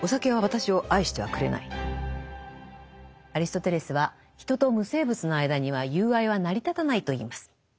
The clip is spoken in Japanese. アリストテレスは人と無生物の間には友愛は成り立たないと言います。